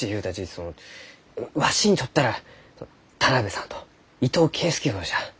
そのわしにとったら田邊さんと伊藤圭介翁じゃ。